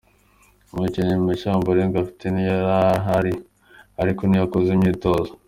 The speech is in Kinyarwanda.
Umukinnyi mushya Ombolenga Fitina yari ahari ariko ntiyakoze imyitozo.